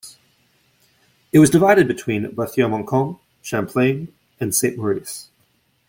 It was divided between Berthier-Montcalm, Champlain, and Saint-Maurice.